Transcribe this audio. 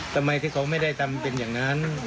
ทำไมที่เขาไม่ได้ทำเป็นอย่างนั้น